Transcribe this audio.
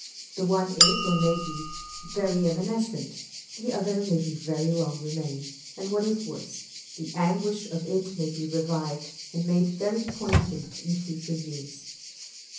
The one is, or may be, very evanescent; the other may very long remain; and what is worse, the anguish of it may be revived and made very poignant in future years.